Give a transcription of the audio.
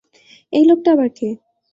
এই লোকটা আবার কে?